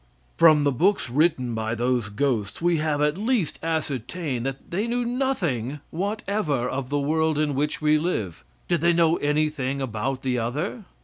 From the books written by those ghosts we have at least ascertained that they knew nothing whatever of the world in which we live. Did they know anything about any other?